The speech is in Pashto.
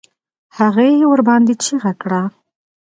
هغې ورباندې چيغه کړه.